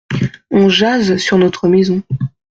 On jase sur notre maison.